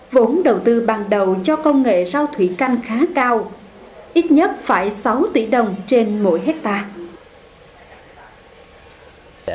vốn đầu tư ban đầu cho công nghệ rau thủy canh khá cao ít nhất phải sáu tỷ đồng trên mỗi hectare